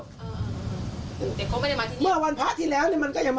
เช้ามาเขาก็จะมาขายของช่วย